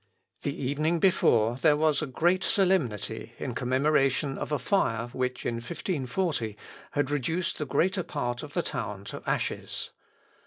The evening before there was a great solemnity in commemoration of a fire which in 1540 had reduced the greater part of the town to ashes.